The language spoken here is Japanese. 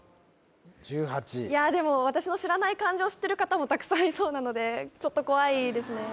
いやでも私の知らない漢字を知ってる方もたくさんいそうなのでちょっと怖いですね